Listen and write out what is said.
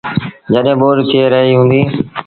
جڏهيݩ ٻوڏ ٿئي رهيٚ هُݩديٚ ۔